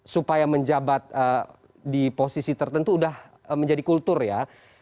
supaya menjabat di posisi tertentu sudah menjadi kultur ya